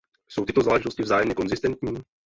Jsou tyto záležitosti vzájemně konzistentní?